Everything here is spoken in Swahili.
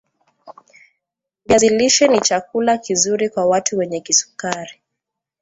viazi lishe ni chakula kizuri kwa watu wenye kisukari